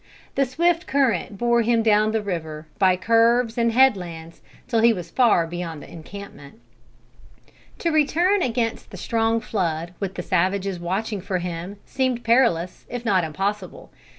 The swift current bore him down the river, by curves and head lands, till he was far beyond the encampment. To return against the strong flood, with the savages watching for him, seemed perilous, if not impossible.